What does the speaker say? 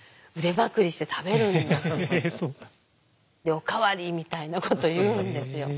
「お代わり」みたいなこと言うんですよ。